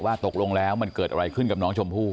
ตกลงแล้วมันเกิดอะไรขึ้นกับน้องชมพู่